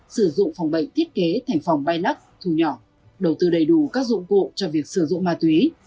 sử dụng phòng bệnh thiết kế thành phòng bay lắc thu nhỏ đầu tư đầy đủ các dụng cụ cho việc sử dụng ma túy